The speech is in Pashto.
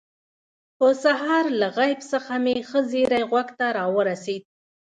په سهار له غیب څخه مې ښه زیری غوږ ته راورسېد.